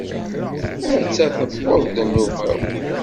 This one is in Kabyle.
Atta tewweḍ-d nnuba-w.